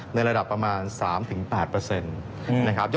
ในระดับประมาณ๓๘เปอร์เซ็นต์นะครับ